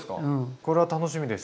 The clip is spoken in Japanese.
これは楽しみです。